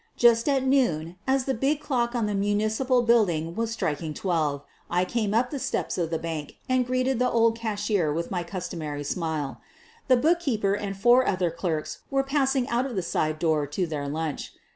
Just at noon, as the big (dock on the Municipal Building was striking 12, I came up the steps of the bank and greeted the old cashier with my customary smile. The bookkeeper and the four other clerks were passing out of the side door to their lunch.